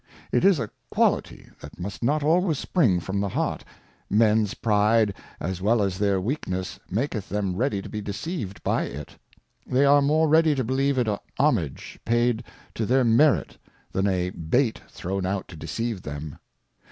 It is a Quality that must not always spring from the Heart; Mens Pride, as well as their Weakness, maketh them ready to be deceived by it : They are more ready to believe it a Homage paid to their Merit, than a Bait thrown out to deceive them.